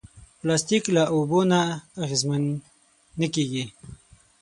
پلاستيک له اوبو نه اغېزمن نه کېږي.